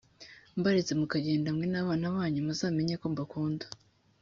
mbaretse mukagenda mwe n’abana banyu muzamenye ko mbakunda